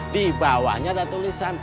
di bawahnya ada tulisan